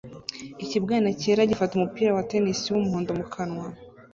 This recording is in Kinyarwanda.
Ikibwana cyera gifata umupira wa tennis wumuhondo mukanwa